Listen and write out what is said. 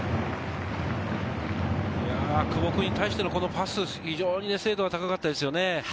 久保君に対してのパス、非常に精度が高かったですね。